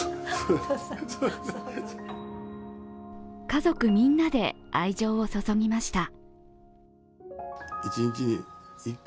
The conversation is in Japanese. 家族みんなで愛情を注ぎました。